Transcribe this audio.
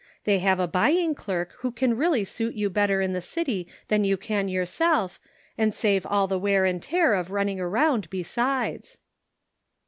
They have a buy ing clerk who can really suit you better in the city than you can yourself, and save all the wear and tear of running around besides."